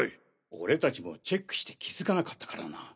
俺達もチェックして気づかなかったからな。